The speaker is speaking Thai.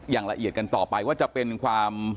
อย่างละเอียดกันต่อไปว่าจะเป็นความ